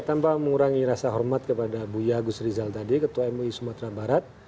tanpa mengurangi rasa hormat kepada buya gus rizal tadi ketua mui sumatera barat